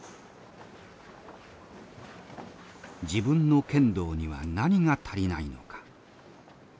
自分の剣道には何が足りないのか。